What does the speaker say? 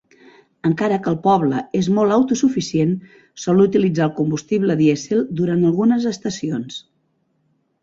Encara que el poble és molt auto-suficient, sol utilitzar el combustible dièsel durant algunes estacions.